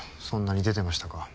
そんなに出てましたか？